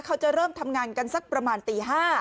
เขาจะเริ่มทำงานกันสักประมาณตี๕